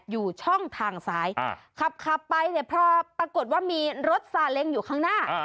อยู่ช่องทางซ้ายขับไปเนี่ยพอปรากฏว่ามีรถซาเล้งอยู่ข้างหน้า